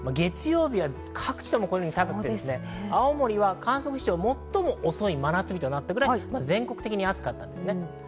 月曜日は各地とも高くて青森は観測史上最も遅い真夏日となったくらい全国的に暑かったんです。